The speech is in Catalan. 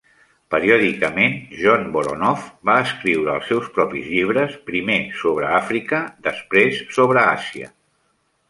Periòdicament Jon Woronoff va escriure els seus propis llibres, primer sobre Àfrica, després sobre Àsia.